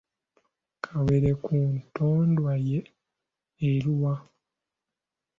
Kawere ku ntondwa ye eluwa?